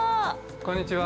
こんにちは。